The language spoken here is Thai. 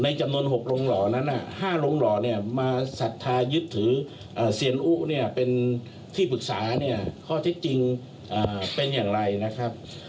ในจำนวน๖ลงหล่อนั้น๕ลงหล่อมาสัทธายึดถือเซียนอู้เป็นที่ปรึกษาข้อเท็จจริงเป็นอย่างไรนะครับ